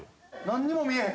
何にも見えん。